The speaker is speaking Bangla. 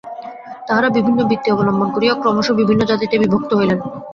তাঁহারা বিভিন্ন বৃত্তি অবলম্বন করিয়া ক্রমশ বিভিন্ন জাতিতে বিভক্ত হইলেন।